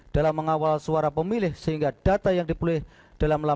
dalam mengawal suara pemilih sehingga data yang dipulih dalam laman web situng